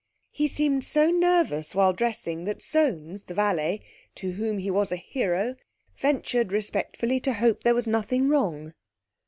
He seemed so nervous while dressing that Soames, the valet, to whom he was a hero, ventured respectfully to hope there was nothing wrong.